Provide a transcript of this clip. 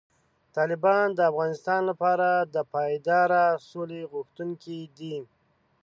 طالبان د افغانستان لپاره د پایداره سولې غوښتونکي دي.